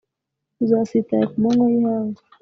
uzasitara ku manywa y ihangu